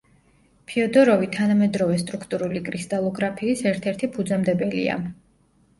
ფიოდოროვი თანამედროვე სტრუქტურული კრისტალოგრაფიის ერთ-ერთი ფუძემდებელია.